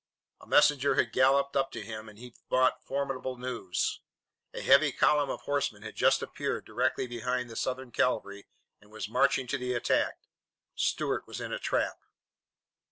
A messenger had galloped up to him and he brought formidable news. A heavy column of horsemen had just appeared directly behind the Southern cavalry and was marching to the attack. Stuart was in a trap.